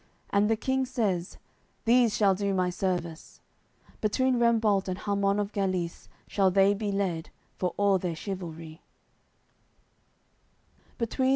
And the King says: "These shall do my service." Between Rembalt and Hamon of Galice Shall they be led, for all their chivalry.